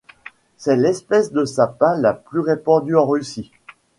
C'est l'espèce de sapin la plus répandue en Russie.